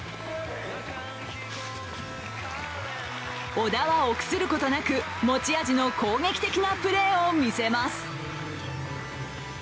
小田は臆することなく持ち味の攻撃的なプレーを見せます。